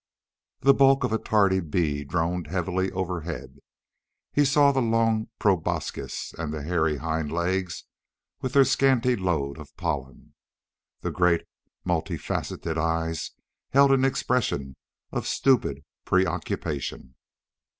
The bulk of a tardy bee droned heavily overhead. He saw the long proboscis and the hairy hind legs with their scanty load of pollen. The great, multi faceted eyes held an expression of stupid preoccupation.